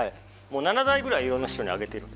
もう７台ぐらいいろんな人にあげてる。